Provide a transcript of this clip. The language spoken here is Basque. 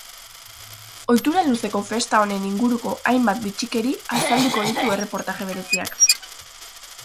Ohitura luzeko festa honen inguruko hainbat bitxikeri azalduko ditu erreportaje bereziak.